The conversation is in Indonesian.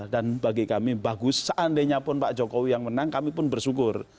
dan bagi kami bagus seandainya pun pak jokowi yang menang kami pun bersyukur